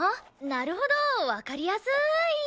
なるほどわかりやすーい。